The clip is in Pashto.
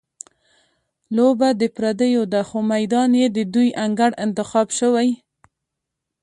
لوبه د پردیو ده، خو میدان یې د دوی انګړ انتخاب شوی.